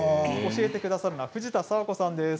教えてくださるのは藤田佐和子さんです。